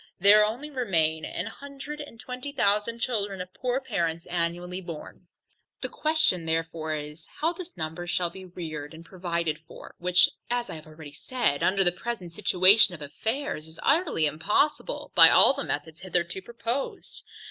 There only remain a hundred and twenty thousand children of poor parents annually born. The question therefore is, How this number shall be reared and provided for? which, as I have already said, under the present situation of affairs, is utterly impossible by all the methods hitherto proposed.